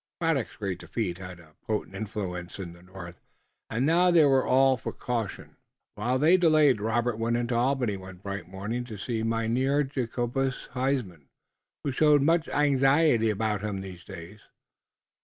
Braddock's great defeat had a potent influence in the north, and now they were all for caution. While they delayed Robert went into Albany one bright morning to see Mynheer Jacobus Huysman, who showed much anxiety about him these days.